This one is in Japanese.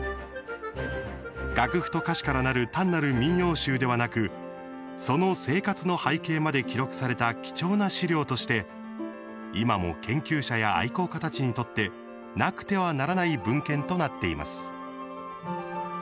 楽譜と歌詞から成る単なる民謡集ではなくその生活の背景まで記録された貴重な資料として今も研究者や愛好家たちにとってなくてはならない文献となっています。